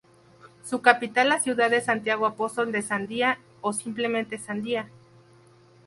Su capital la Ciudad de Santiago Apóstol de Sandia o simplemente Sandía.